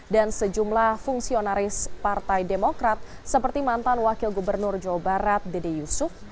dan sejumlah fungsionaris partai demokrat seperti mantan wakil gubernur jawa barat dede yusuf